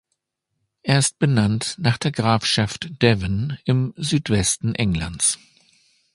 Er ist benannt nach der Grafschaft Devon im Südwesten Englands.